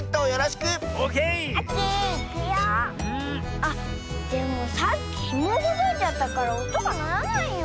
あっでもさっきひもをほどいちゃったからおとがならないよ。